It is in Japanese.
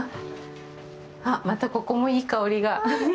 またここもいい香りが。